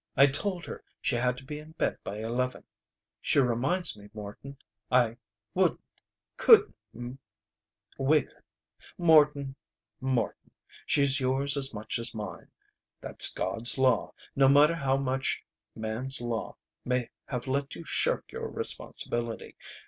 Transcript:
I told her she had to be in bed by eleven. She minds me, Morton. I wouldn't couldn't wake her. Morton, Morton, she's yours as much as mine. That's God's law, no matter how much man's law may have let you shirk your responsibility.